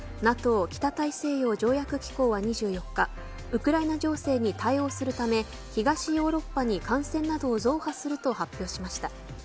ＮＡＴＯ北大西洋条約機構は２４日ウクライナ情勢に対応するため東ヨーロッパに艦船などを増派すると発表しました。